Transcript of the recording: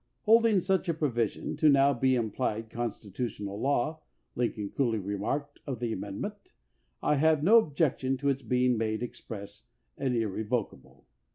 "Holding such a provision to now be implied con stitutional law," Lincoln coolly remarked of the amendment, "I have no objection to its being made express and irrevocable."